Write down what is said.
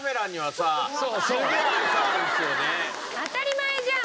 当たり前じゃん。